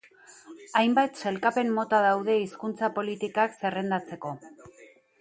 Hainbat sailkapen-mota daude hizkuntza-politikak zerrendatzeko.